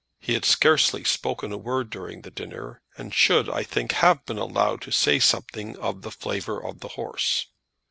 He had scarcely spoken a word during dinner, and should, I think, have been allowed to say something of the flavour of the horse.